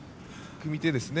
組み手ですね。